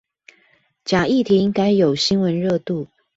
假議題應該有新聞熱度